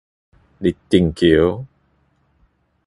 二重橋